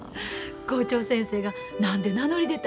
校長先生が「何で名乗り出た？